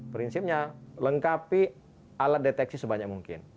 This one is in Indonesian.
prinsipnya lengkapi alat deteksi sebanyak mungkin